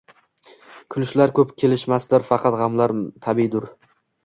Kulishlar koʻb kelishmasdir, faqat gʻamlar tabiiydur